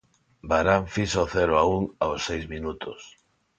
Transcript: Varane fixo o cero a un aos seis minutos.